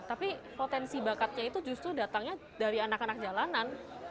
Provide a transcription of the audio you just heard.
tapi potensi bakatnya itu justru datangnya dari anak anak jalanan